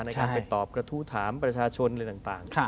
ในการไปตอบกระทู้ถามประชาชนอะไรต่าง